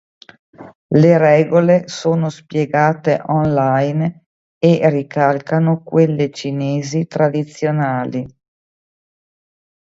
Le regole sono spiegate online e ricalcano quelle Cinesi Tradizionali.